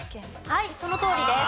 はいそのとおりです。